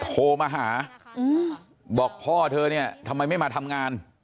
โทรมาหาบอกพ่อเธอเนี่ยทำไมไม่มาทำงาน